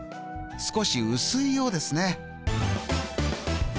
少し薄いようですね。